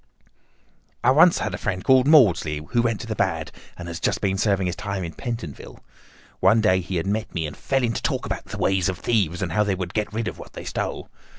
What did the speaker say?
"I had a friend once called Maudsley, who went to the bad, and has just been serving his time in Pentonville. One day he had met me, and fell into talk about the ways of thieves, and how they could get rid of what they stole.